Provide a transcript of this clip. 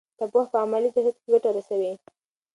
دا پوهه په عملي سیاست کې ګټه رسوي.